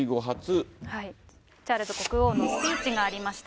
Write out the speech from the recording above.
チャールズ国王のスピーチがありました。